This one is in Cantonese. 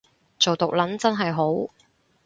做毒撚真係好